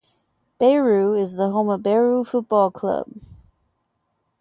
Berriew is the home of Berriew Football Club.